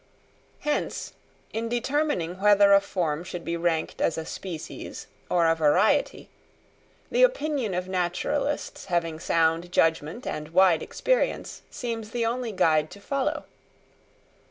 Hence, in determining whether a form should be ranked as a species or a variety, the opinion of naturalists having sound judgment and wide experience seems the only guide to follow.